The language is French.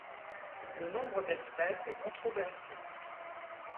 Le nombre d'espèces est controversé.